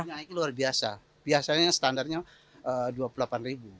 naik luar biasa biasanya standarnya rp dua puluh delapan ribu